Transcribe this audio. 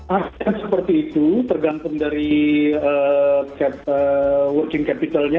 artinya seperti itu tergantung dari working capitalnya